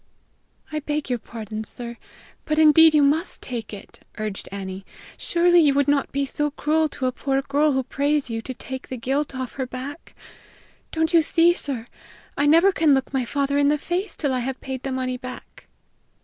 "I beg your pardon, sir, but indeed you must take it," urged Annie. "Surely you would not be so cruel to a poor girl who prays you to take the guilt off her back. Don't you see, sir, I never can look my father in the face till I have paid the money back!"